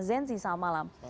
zenzi selamat malam